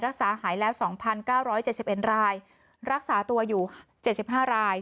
รักษาหายแล้วสองพันเก้าร้อยเจ็ดเจ็บเอ็นรายรักษาตัวอยู่เจ็ดสิบห้าราย